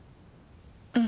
うん。